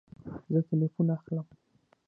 زه تلیفون اخلم